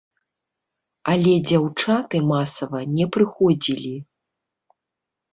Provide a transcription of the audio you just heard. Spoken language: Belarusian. Але дзяўчаты масава не прыходзілі.